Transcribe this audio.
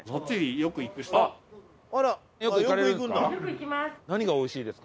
よく行かれるんですか？